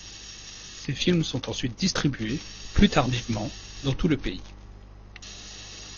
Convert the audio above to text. Ces films sont ensuite distribués, plus tardivement, dans tout le pays.